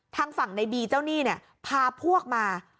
ทางฝั่งในบีเจ้าหนี้เนี่ยพาพวกมา